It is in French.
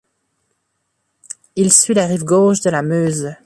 Il suit la rive gauche de la Meuse.